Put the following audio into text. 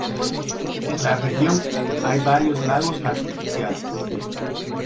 En la región hay varios lagos artificiales.